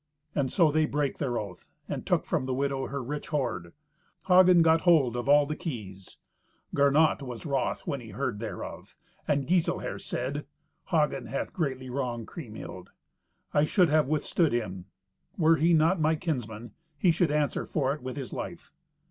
And so they brake their oath and took from the widow her rich hoard. Hagen got hold of all the keys. Gernot was wroth when he heard thereof, and Giselher said, "Hagen hath greatly wronged Kriemhild. I should have withstood him. Were he not my kinsman, he should answer for it with his life."